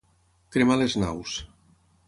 Cremar les naus.